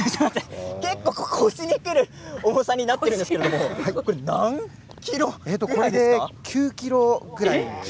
結構、腰にくる重さになっているんですけれども何ｋｇぐらいですか？